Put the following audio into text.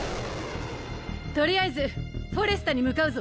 取りあえずフォレスタに向かうぞ。